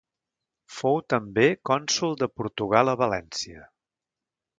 Fou també cònsol de Portugal a València.